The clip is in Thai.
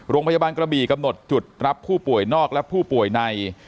โรงพยาบาลกระบี่กำหนดจุดรับผู้ป่วยนอกและผู้ป่วยใน